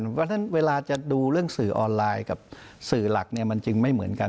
เพราะฉะนั้นเวลาจะดูเรื่องสื่อออนไลน์กับสื่อหลักเนี่ยมันจึงไม่เหมือนกัน